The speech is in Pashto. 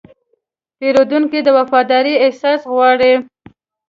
پیرودونکی د وفادارۍ احساس غواړي.